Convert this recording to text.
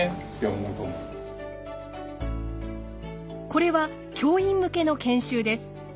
これは教員向けの研修です。